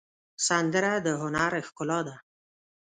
سندره د هنر ښکلا ده